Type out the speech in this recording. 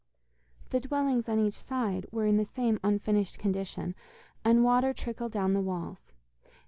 The dwelling on each side were in the same unfinished condition, and water trickled down the walls.